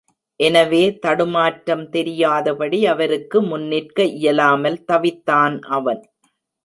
எனவே தடுமாற்றம் தெரியாதபடி அவருக்கு முன் நிற்க இயலாமல் தவித்தான் அவன்.